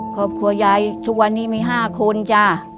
ครอบครัวยายทุกวันนี้มี๕คนจ้ะ